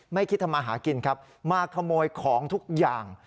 ไม่คิดทำมาหากินครับมาขโมยของทุกอย่าง